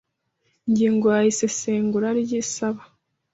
Ingingo ya Isesengura ry isaba